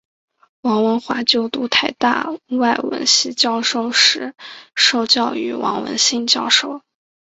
王文华就读台大外文系时受教于王文兴教授。